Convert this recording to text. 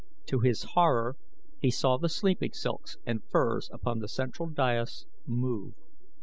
To his horror he saw the sleeping silks and furs upon the central dais move.